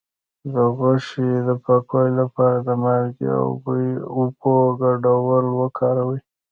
د غوښې د پاکوالي لپاره د مالګې او اوبو ګډول وکاروئ